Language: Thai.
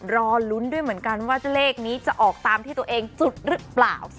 รอลุ้นด้วยเหมือนกันว่าเลขนี้จะออกตามที่ตัวเองจุดหรือเปล่า